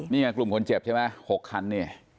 นี่ไงกลุ่มคนเจ็บใช่ไหม๖คันเนี่ย